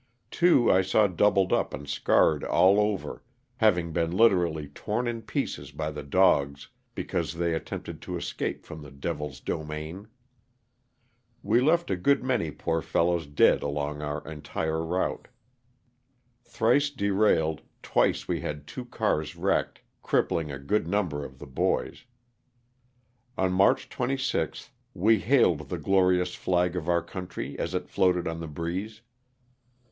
Two I saw doubled up and scarred all over, having been literally torn in pieces by the dogs, because they attempted to escape from the devil's domain. We left a good many poor fellows dead along our entire route. Thrice derailed, twice we had two cars wrecked, crippling a good number of the boys. On March 26 we hailed the glorious flag of our country as it floated on the breeze.